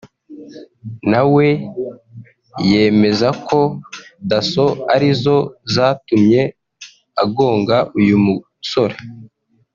na we yemeza ko Dasso ari zo zatumye agonga uyu musore